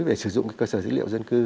để sử dụng cơ sở dữ liệu dân cư